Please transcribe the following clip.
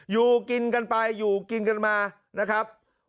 อยู่กินกันไปอยู่กินกันมานะครับ